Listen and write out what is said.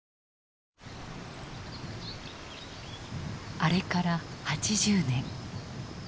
あれから８０年。